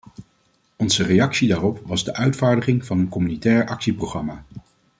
Onze reactie daarop was de uitvaardiging van een communautair actieprogramma.